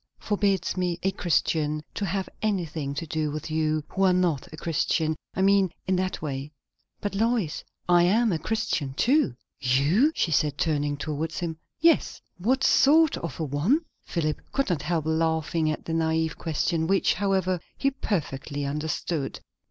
"Forbids me, a Christian, to have anything to do with you, who are not a Christian. I mean, in that way." "But, Lois I am a Christian too." "You?" she said, turning towards him. "Yes." "What sort of a one?" Philip could not help laughing at the naïve question, which, however, he perfectly understood.